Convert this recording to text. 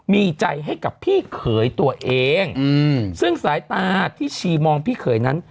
มีใจให้กับพี่เขยตัวเองอืมซึ่งสายตาที่ชีมองพี่เขยนั้น